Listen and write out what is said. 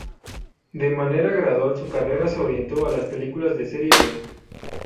De manera gradual su carrera se orientó a las películas de serie "B".